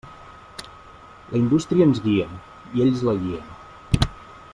La indústria ens guia, i ells la guien.